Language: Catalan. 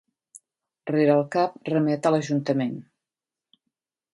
Rere el cap remet a l'ajuntament.